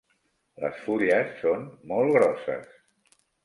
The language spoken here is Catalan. Les fulles són molt grosses.